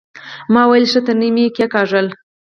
ما ويلې ښه تڼۍ مې کېکاږله.